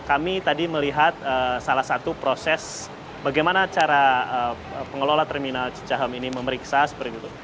kami tadi melihat salah satu proses bagaimana cara pengelola terminal cicahem ini memeriksa seperti itu